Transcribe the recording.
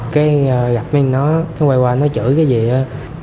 cái gặp mình nó nó quay qua nó chửi cái gì đó